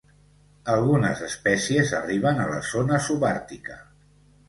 Algunes espècies arriben a la zona subàrtica.